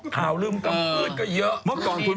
ข่าวลืมกำเลือดก็เยอะ